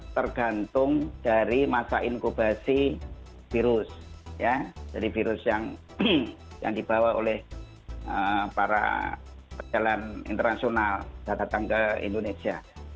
tergantung dari masa inkubasi virus ya jadi virus yang dibawa oleh para perjalanan internasional datang datang ke indonesia